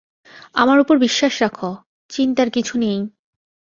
আমার উপর বিশ্বাস রাখো, শ্চিন্তার কিছু নেই।